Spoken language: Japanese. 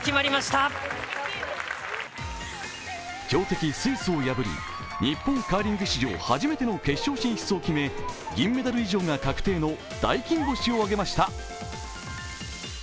強敵スイスを破り日本カーリング史上初めての決勝進出を決め銀メダル以上が確定の大金星をあげました。